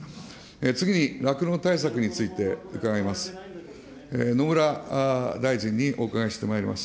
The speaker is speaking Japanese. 次に酪農対策について伺います。